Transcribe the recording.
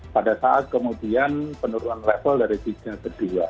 pada saat kemudian penurunan level dari tiga ke dua